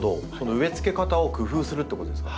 植えつけ方を工夫するってことですか？